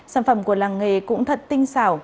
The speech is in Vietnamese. sản phẩm của làng nghề cũng thật tinh xảo